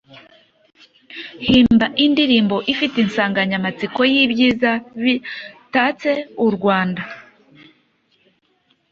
Himba indirimbo ifite insanganyamatsiko y’ibyiza bitatse u Rwanda,